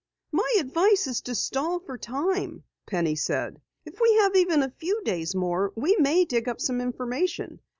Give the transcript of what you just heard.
"My advice is to stall for time," Penny said. "If we have even a few days more we may dig up some information.